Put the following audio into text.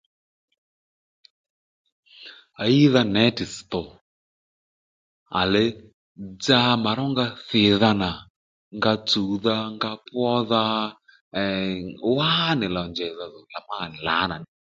À ɦíydha nětì ss̀tò à lè dza mà rónga dhìdha nà, nga tsùwdha, nga pwódha à à è wánì lò njèydha dhò à má nì lǎnà